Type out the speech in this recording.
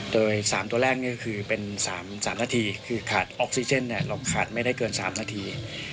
โดย๓ตัวแรกนี่ก็คือเป็น๓นาทีคือขาดออกซิเจนเราขาดไม่ได้เกิน๓นาที